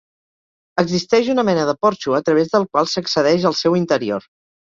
Existeix una mena de porxo a través del qual s'accedeix al seu interior.